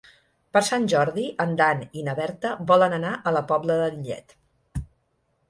Per Sant Jordi en Dan i na Berta volen anar a la Pobla de Lillet.